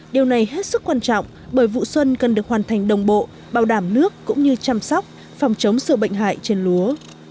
điều này hết sức quan trọng bởi vụ xuân cần được hoàn thành đồng bộ bảo đảm nước cũng như chăm sóc phòng chống sự bệnh hại trên lúa